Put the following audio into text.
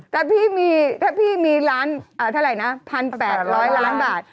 ถ้าพี่มี่าไหร่นะ๑๘ล้านบาท